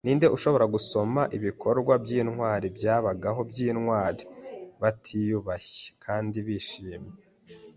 Ninde ushobora gusoma ibikorwa byintwari byabagabo bintwari batiyubashye kandi bishimye?